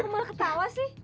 kamu malah ketawa sih